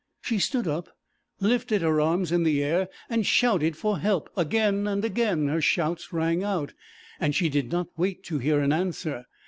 She stood up, lifted her arms in the air and shouted for help; again and again her shouts rang out, and she did not wait to hear an answer.